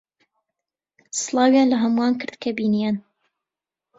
سڵاویان لە ھەمووان کرد کە بینییان.